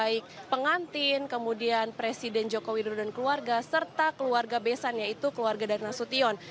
baik pengantin kemudian presiden joko widodo dan keluarga serta keluarga besan yaitu keluarga dari nasution